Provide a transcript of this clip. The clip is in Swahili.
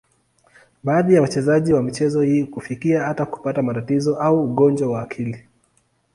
Baadhi ya wachezaji wa michezo hii hufikia hata kupata matatizo au ugonjwa wa akili.